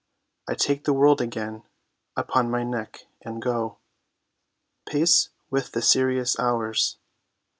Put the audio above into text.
I take the world again Upon my neck and go Pace with the serious hours.